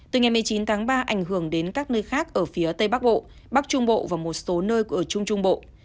từ ngày một mươi chín tháng ba ảnh hưởng đến các nơi khác ở phía tây bắc bộ bắc trung bộ và một số nơi của trung trung bộ